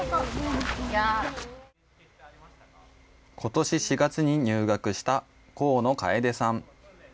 ことし４月に入学した甲野楓さん。